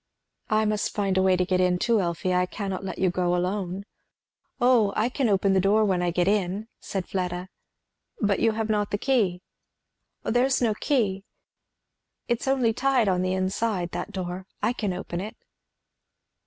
"I must find a way to get in too, Elfie, I cannot let you go alone." "O I can open the door when I get in," said Fleda. "But you have not the key." "There's no key it's only hoi ted on the inside, that door. I can open it."